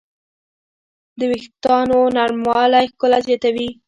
د وېښتیانو نرموالی ښکلا زیاتوي.